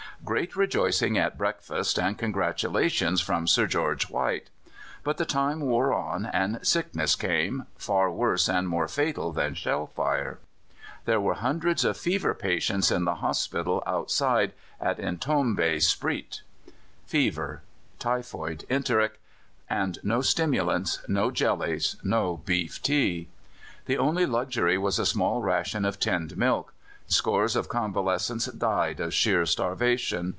Great rejoicing at breakfast, and congratulations from Sir George White. But the time wore on, and sickness came far worse and more fatal than shell fire. There were hundreds of fever patients in the hospital outside at Intombi Spruit. Fever typhoid, enteric and no stimulants, no jellies, no beef tea! The only luxury was a small ration of tinned milk. Scores of convalescents died of sheer starvation.